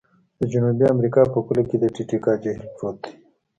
د جنوبي امریکا په پوله کې د ټې ټې کاکا جهیل پروت دی.